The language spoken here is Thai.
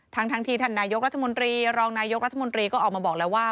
ทั้งที่ท่านนายกรัฐมนตรีรองนายกรัฐมนตรีก็ออกมาบอกแล้วว่า